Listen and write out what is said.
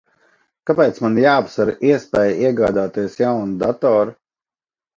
Kāpēc man jāapsver iespēja iegādāties jaunu datoru?